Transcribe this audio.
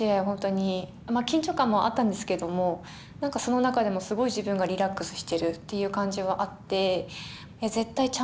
本当にまあ緊張感もあったんですけども何かその中でもすごい自分がリラックスしてるっていう感じはあって。